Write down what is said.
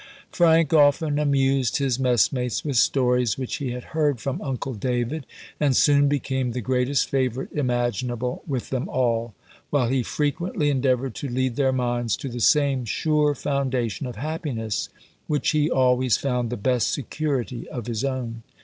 Frank often amused his messmates with stories which he had heard from uncle David, and soon became the greatest favourite imaginable with them all, while he frequently endeavoured to lead their minds to the same sure foundation of happiness which he always found the best security of his own.